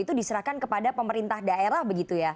itu diserahkan kepada pemerintah daerah begitu ya